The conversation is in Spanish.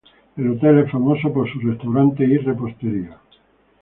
El hotel es famoso por su restaurante y repostería.